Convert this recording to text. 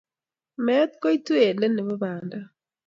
Meet koitu eng let nebo banda.